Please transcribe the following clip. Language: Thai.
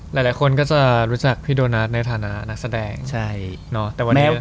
หลายคนก็จะรู้จักพี่โดนัทในฐานะนักแสดงใช่เนาะแต่วันนี้